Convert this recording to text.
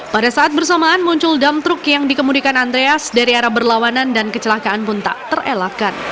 pada saat bersamaan muncul dam truk yang dikemudikan andreas dari arah berlawanan dan kecelakaan pun tak terelakkan